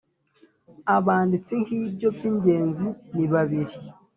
abanditse nk’ibyo by’ingenzi ni babiri.